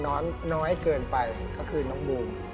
น้อยเกินไปก็คือน้องบูม